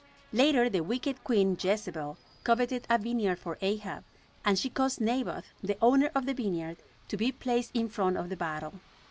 Later the wicked queen, Jezebel, coveted a vineyard for Ahab, and she caused Naboth, the owner of the vineyard, to be placed in front of the battle.